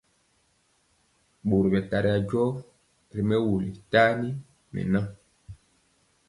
Ɓori ɓɛ tari ajɔ ri mɛwul tani nɛ na.